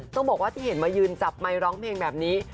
ต้องบอกว่าที่เห็นมายืนจับไมค์ร้องเพลงแบบนี้